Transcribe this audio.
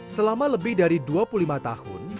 selama lebih dari dua puluh lima tahun